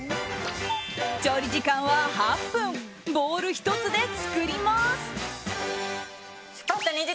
調理時間は８分ボウル１つで作ります。